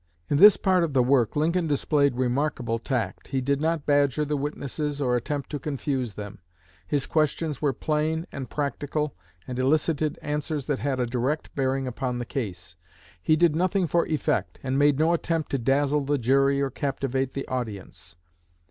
In this part of the work Lincoln displayed remarkable tact. He did not badger the witnesses, or attempt to confuse them. His questions were plain and practical, and elicited answers that had a direct bearing upon the case. He did nothing for effect, and made no attempt to dazzle the jury or captivate the audience.